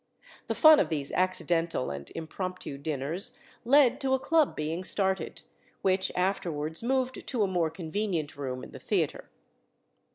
The fun of these accidental and impromptu dinners led to a club being started, which afterwards moved to a more convenient room in the theatre.